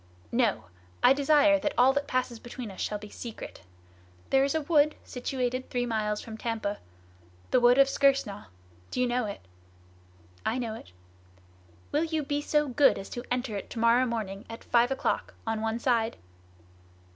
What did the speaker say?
"No! I desire that all that passes between us shall be secret. Their is a wood situated three miles from Tampa, the wood of Skersnaw. Do you know it?" "I know it." "Will you be so good as to enter it to morrow morning at five o'clock, on one side?"